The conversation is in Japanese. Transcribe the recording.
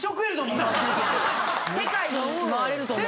世界回れると思う。